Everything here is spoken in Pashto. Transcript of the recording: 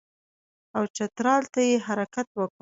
او چترال ته یې حرکت وکړ.